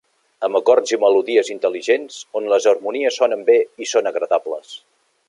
Amb acords i melodies intel·ligents, on les harmonies sonen bé i són agradables.